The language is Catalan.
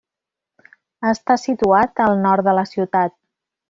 Està situat al nord de la ciutat.